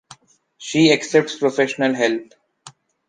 She accepts professional help.